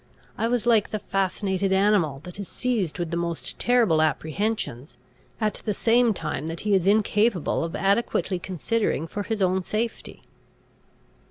I was like the fascinated animal, that is seized with the most terrible apprehensions, at the same time that he is incapable of adequately considering for his own safety.